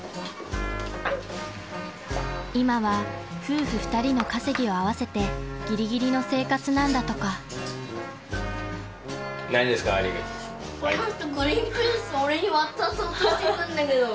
［今は夫婦２人の稼ぎを合わせてギリギリの生活なんだとか］えっ？